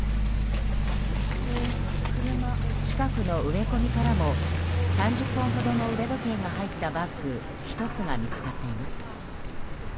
近くの植え込みからも３０本ほどの腕時計が入ったバッグ１つが見つかっています。